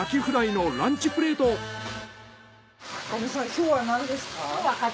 今日は何ですか？